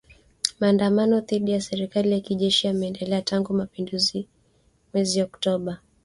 Maandamano dhidi ya serikali ya kijeshi yameendelea tangu mapinduzi ya mweziOKtoba.